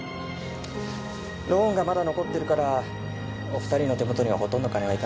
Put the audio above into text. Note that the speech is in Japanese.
ローンがまだ残ってるからお２人の手元にはほとんど金はいかないけど。